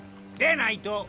でないと。